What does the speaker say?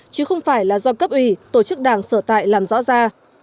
chứ không phải là do cấp ủy tổ chức đảng sở tại làm rõ ra